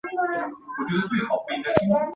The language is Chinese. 其多栖息于珊瑚礁附近浅水区。